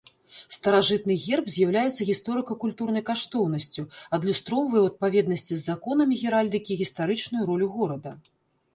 Старажытны герб з'яўляецца гісторыка-культурнай каштоўнасцю, адлюстроўвае ў адпаведнасці з законамі геральдыкі гістарычную ролю горада.